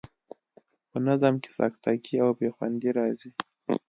په نظم کې سکته ګي او بې خوندي راځي.